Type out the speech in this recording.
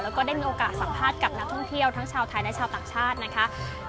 แล้วก็ได้มีโอกาสสัมภาษณ์กับนักท่องเที่ยวทั้งชาวไทยและชาวต่างชาตินะคะ